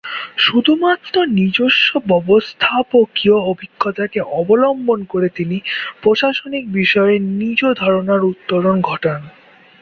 শুধুমাত্র নিজস্ব ব্যবস্থাপকীয় অভিজ্ঞতাকে অবলম্বন করে তিনি প্রশাসনিক বিষয়ে নিজ ধারণার উত্তরণ ঘটান।